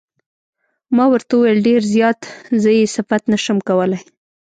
ما ورته وویل: ډېر زیات، زه یې صفت نه شم کولای.